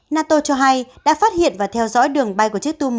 nato cho hay đã phát hiện và theo dõi đường bay của chiếc tu một trăm bốn mươi một